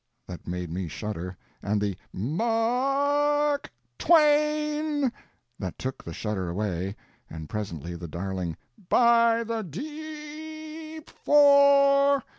_" that made me shudder, and the "M a r k—twain!" that took the shudder away, and presently the darling "By the d e e p—_four!